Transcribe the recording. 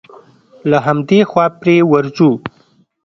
له همدې خوا پرې ورځو.